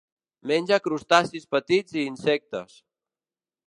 Menja crustacis petits i insectes.